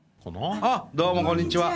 あっどうもこんにちは。